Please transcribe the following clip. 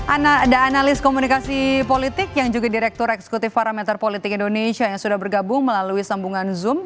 ada analis komunikasi politik yang juga direktur eksekutif parameter politik indonesia yang sudah bergabung melalui sambungan zoom